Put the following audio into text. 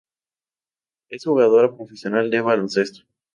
Es jugadora profesional de baloncesto.